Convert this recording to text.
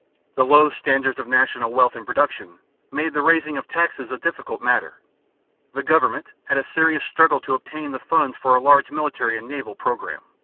The low standards of national wealth and production made the raising of taxes a difficult matter. The government had a serious struggle to obtain the funds for a large military and naval program.